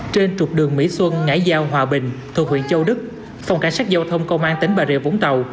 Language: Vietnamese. trên trục đường mỹ xuân ngãi giao hòa bình thuộc huyện châu đức phòng cảnh sát giao thông công an tỉnh bà rịa vũng tàu